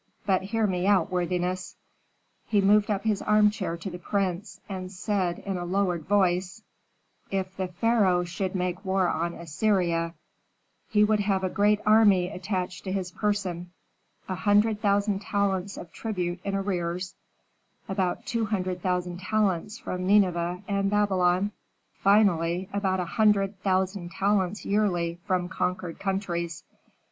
"But hear me out, worthiness." He moved up his armchair to the prince, and said in a lowered voice, "If the pharaoh should make war on Assyria, he would have a great army attached to his person; a hundred thousand talents of tribute in arrears, about two hundred thousand talents from Nineveh and Babylon, finally about a hundred thousand talents yearly from conquered countries.